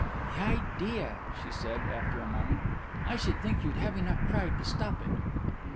"The idea," she said, and after a moment: "I should think you'd have enough pride to stop it."